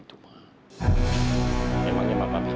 seolah olah saya akan alexada dengan ammar